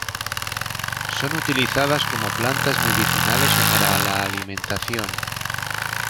Son utilizadas como plantas medicinales o para la alimentación.